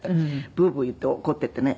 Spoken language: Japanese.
ブーブー言って怒っていてね